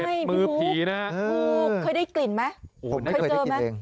เห็ดมือผีนะเคยได้กลิ่นไหมผมไม่เคยได้กลิ่นเอง